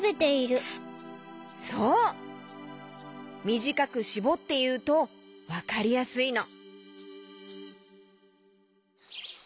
みじかくしぼっていうとわかりやすいの。